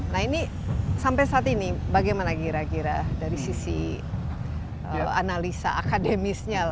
nah ini sampai saat ini bagaimana kira kira dari sisi analisa akademisnya